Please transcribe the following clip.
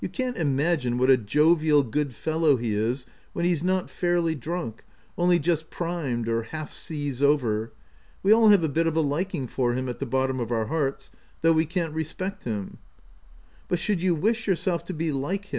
89 can't imagine what a jovial good fellow he is when he's not fairly drunk, only just primed or half seas over— we all have a bit of a liking for him at the bottom of our hearts, though we can't respect him/' " But should you wish yourself to be like him?"